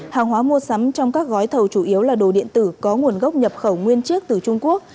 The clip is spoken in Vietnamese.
hàng hóa mua sắm trong các gói thầu chủ yếu là đồ điện tử có nguồn gốc nhập khẩu nguyên chiếc từ trung quốc